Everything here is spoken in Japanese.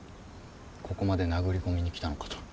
ここまで殴り込みに来たのかと。